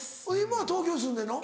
今は東京に住んでんの？